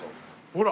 ほら！